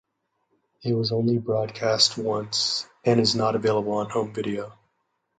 It was only broadcast once and is not available on home video.